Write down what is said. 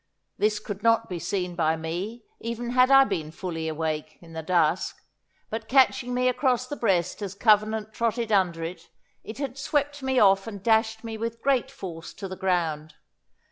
This could not be seen by me, even had I been fully awake, in the dusk; but catching me across the breast as Covenant trotted under it, it had swept me off and dashed me with great force to the ground.